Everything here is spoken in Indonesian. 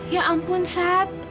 ya ampun sat